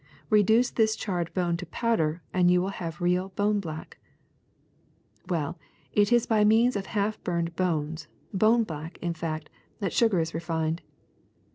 Reduce this charred bone to powder, and you will have real bone black. ^*Well, it is by means of half burned bones, bone black in fact, that sugar is refined.